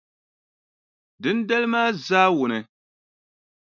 Dindali maa zaawuni,